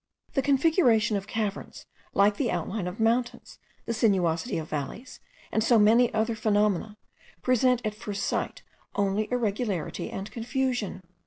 The configuration of caverns, like the outline of mountains, the sinuosity of valleys, and so many other phenomena, present at first sight only irregularity and confusion.